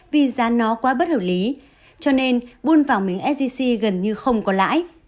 vì giá nó quá bất hợp lý cho nên buôn vàng miếng sgc gần như không có lãi